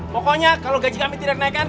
pokoknya kalau gaji kami tidak dinaikkan